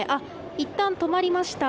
いったん止まりました。